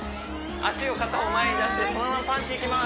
足を片方前に出してそのままパンチいきます